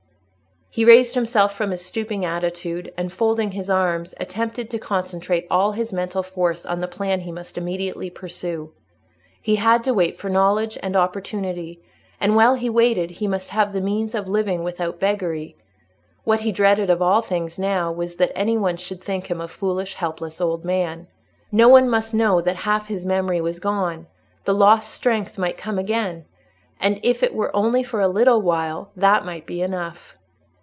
He raised himself from his stooping attitude, and, folding his arms, attempted to concentrate all his mental force on the plan he must immediately pursue. He had to wait for knowledge and opportunity, and while he waited he must have the means of living without beggary. What he dreaded of all things now was, that any one should think him a foolish, helpless old man. No one must know that half his memory was gone: the lost strength might come again; and if it were only for a little while, that might be enough.